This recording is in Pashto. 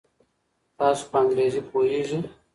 تاسو په انګریزي پوهیږئ؟